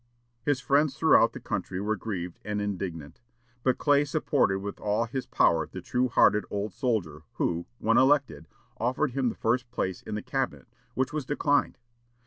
His friends throughout the country were grieved and indignant. But Clay supported with all his power the true hearted old soldier, who, when elected, offered him the first place in the Cabinet, which was declined.